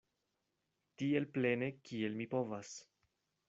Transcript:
Tiel plene kiel mi povas.